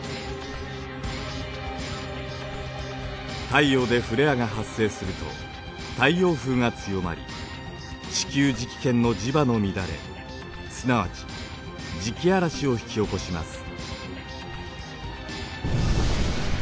太陽でフレアが発生すると太陽風が強まり地球磁気圏の磁場の乱れすなわち磁気嵐を引き起こします。